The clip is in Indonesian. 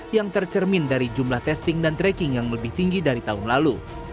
yang tercermin dari jumlah testing dan tracking yang lebih tinggi dari tahun lalu